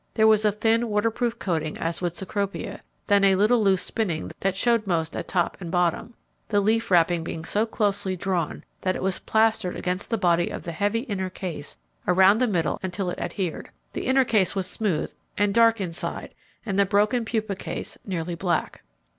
There was a thin waterproof coating as with Cecropia, then a little loose spinning that showed most at top and bottom, the leaf wrapping being so closely drawn that it was plastered against the body of the heavy inner case around the middle until it adhered. The inner case was smooth and dark inside and the broken pupa case nearly black.